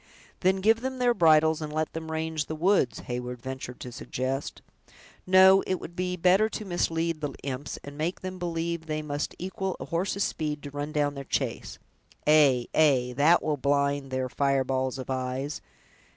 "Then give them their bridles, and let them range the woods," Heyward ventured to suggest. "No; it would be better to mislead the imps, and make them believe they must equal a horse's speed to run down their chase. Ay, ay, that will blind their fireballs of eyes!